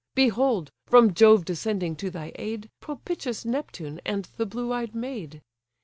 Behold! from Jove descending to thy aid, Propitious Neptune, and the blue eyed maid.